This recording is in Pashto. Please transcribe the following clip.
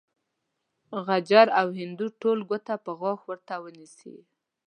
غجر او هندو ټول ګوته په غاښ درته ونيسي.